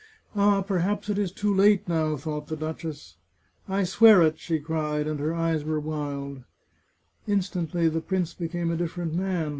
" Ah, per haps it is too late now !" thought the duchess. 476 The Chartreuse of Parma " I swear it," she cried, and her eyes were wild. Instantly the prince became a different man.